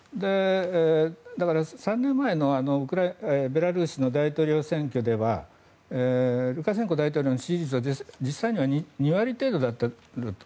だから３年前のベラルーシの大統領選挙ではルカシェンコ大統領の支持率は実際には２割程度だった。